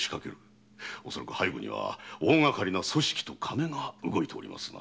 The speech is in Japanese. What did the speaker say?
恐らく背後には大がかりな組織と金が動いておりますな。